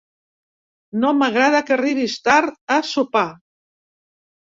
No m'agrada que arribis tard a sopar.